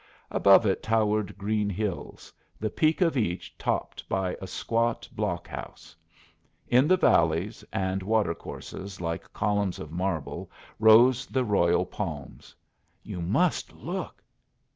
Above it towered green hills, the peak of each topped by a squat block house; in the valleys and water courses like columns of marble rose the royal palms. "You must look!"